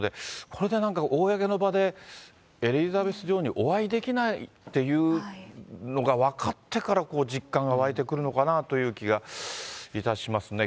これでなんか公の場で、エリザベス女王にお会いできないっていうのが分かってから実感が湧いてくるのかなという気がいたしますね。